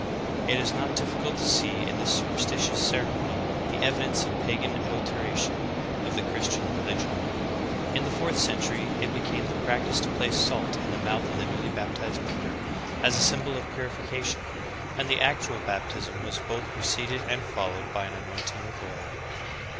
"^ It is not difficult to see in this superstitious ceremony the evidence of pagan adulteration of the Christian religion. In the fourth century it became the practice to place salt in the mouth of the newly baptized member, as a symbol of puri fication, and the actual baptism was both preceded and fol lowed by an anointing with oil.